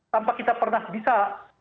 tanpa kita pernah bisa